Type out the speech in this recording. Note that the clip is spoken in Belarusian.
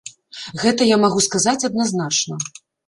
Гэта я магу сказаць адназначна.